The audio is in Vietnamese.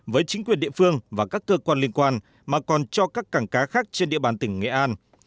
với chính quyền địa phương và các cơ quan liên quan mà còn cho các cảng cá khác trên địa bàn tỉnh nghệ an